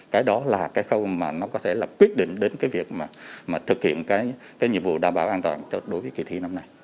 cái đó là cái khâu mà nó có thể là quyết định đến cái việc mà thực hiện cái nhiệm vụ đảm bảo an toàn đối với kỳ thi năm nay